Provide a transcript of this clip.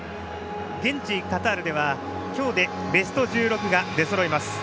現地カタールでは今日でベスト１６が出そろいます。